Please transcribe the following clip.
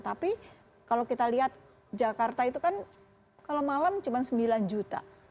tapi kalau kita lihat jakarta itu kan kalau malam cuma sembilan juta